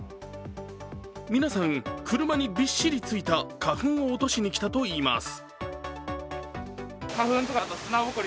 皆さん、車にびっしりついた花粉を落としに来たといいます。